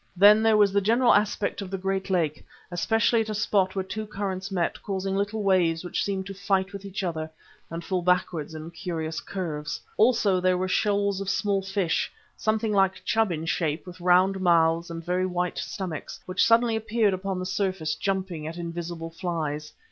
Then there was the general aspect of the great lake, especially at a spot where two currents met, causing little waves which seemed to fight with each other and fall backwards in curious curves. Also there were shoals of small fish, something like chub in shape, with round mouths and very white stomachs, which suddenly appeared upon the surface, jumping at invisible flies.